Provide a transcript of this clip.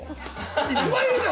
いっぱいいるだろ？